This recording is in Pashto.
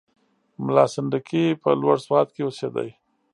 ملا سنډکی په لوړ سوات کې اوسېدی.